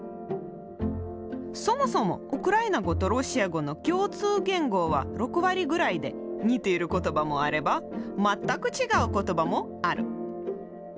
そもそもウクライナ語とロシア語の共通言語は６割ぐらいで似ている言葉もあれば全く違う言葉もある。